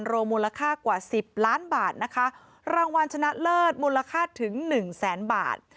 รวมมูลค่ากว่าสิบล้านบาทนะคะรางวัลชนะเลิศมูลค่าถึงหนึ่งแสนบาท